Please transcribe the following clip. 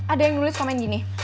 ada yang nulis komen gini